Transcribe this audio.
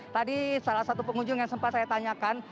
tadi salah satu pengunjung yang sempat saya tanyakan